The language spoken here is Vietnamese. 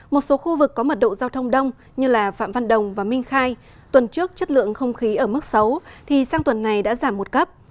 một số khu vực có mật độ giao thông đông như phạm văn đồng và minh khai tuần trước chất lượng không khí ở mức xấu thì sang tuần này đã giảm một cấp